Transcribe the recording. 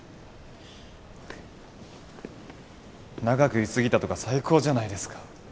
長くい過ぎたとか最高じゃないですか。